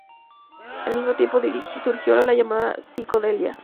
Al mismo tiempo surgió la llamada psicodelia.